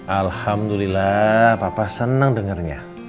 alhamdulillah papa senang dengernya